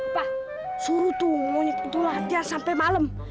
apa suruh tuh nih latihan sampai malam